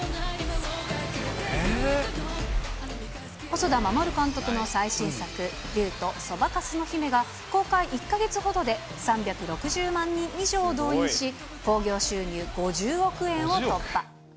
細田守監督の最新作、竜とそばかすの姫が公開１か月ほどで３６０万人以上動員し、興行収入５０億円を突破。